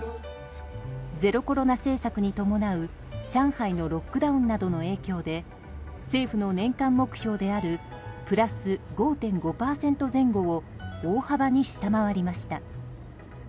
ゼロコロナ政策に伴う上海のロックダウンなどの影響で政府の年間目標であるプラス５．５％前後を大幅に下回りました。